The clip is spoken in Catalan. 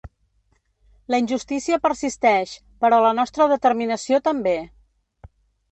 La injustícia persisteix, però la nostra determinació també.